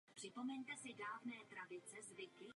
Za nedlouho byl však zase vrácen katolíkům.